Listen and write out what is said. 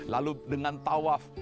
lalu dengan tawaf